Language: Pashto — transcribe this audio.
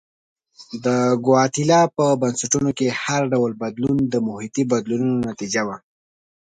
د ګواتیلا په بنسټونو کې هر ډول بدلون د محیطي بدلونونو نتیجه وه.